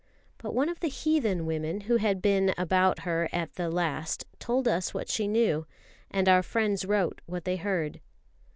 But one of the heathen women who had been about her at the last told what she knew, and our friends wrote what they heard.